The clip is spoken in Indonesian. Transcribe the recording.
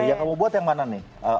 yang kamu buat yang mana nih